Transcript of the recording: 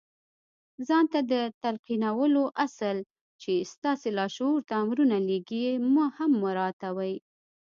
ځان ته د تلقينولو اصل چې ستاسې لاشعور ته امرونه لېږي هم مراعتوئ.